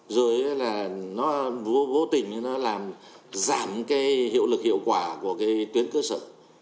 rồi vô tình làm giảm hiệu lực hiệu quả của tuyến cơ sở